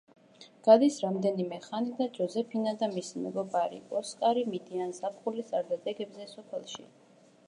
გადის რამდენიმე ხანი და ჟოზეფინა და მისი მეგობარი ოსკარი მიდიან ზაფხულის არდადეგებზე სოფელში.